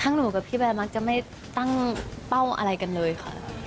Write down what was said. หนูกับพี่แอร์มักจะไม่ตั้งเป้าอะไรกันเลยค่ะ